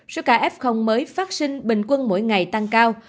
số ca f mới phát sinh bình quân mỗi ngày tăng cao